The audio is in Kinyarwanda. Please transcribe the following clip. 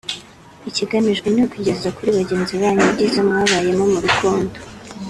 Ikigamijwe ni ukugeza kuri bagenzi banyu ibyiza mwabayemo mu rukundo